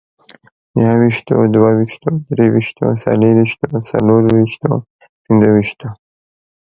يوويشتو، دوه ويشتو، درويشتو، څلرويشتو، څلورويشتو، پنځه ويشتو